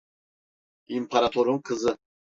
İmparator'un kızı?